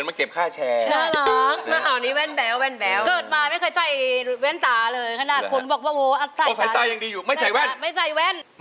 นี่ลองใส่เดิม